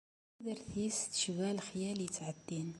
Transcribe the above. Tudert-is tecba lexyal yettɛeddin.